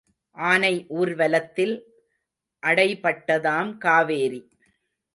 ஆனை ஊர்வலத்தில் அடைபட்டதாம் காவேரி.